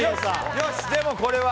よし、でもこれは。